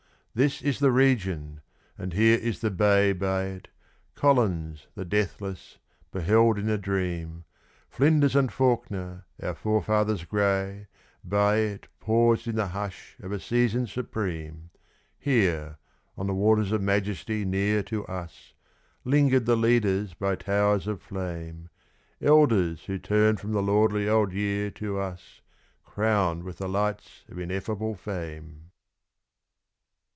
This is the region, and here is the bay by it, Collins, the deathless, beheld in a dream: Flinders and Fawkner, our forefathers grey, by it Paused in the hush of a season supreme. Here, on the waters of majesty near to us, Lingered the leaders by towers of flame: Elders who turn from the lordly old year to us Crowned with the lights of ineffable fame.